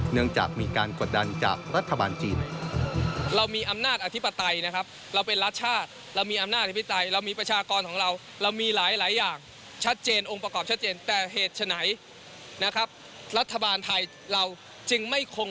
เนื่องจากมีการกดดันจากรัฐบาลจีน